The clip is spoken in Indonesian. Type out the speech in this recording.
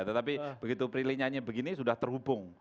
tetapi begitu prilly nyanyi begini sudah terhubung